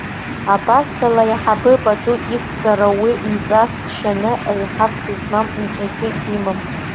Абасала, аиҳабы пату иқәҵара, уи Нцәас дшьаны еиҳаб дызмам нцәагьы димам!